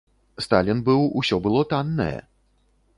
Сталін быў, усё было таннае.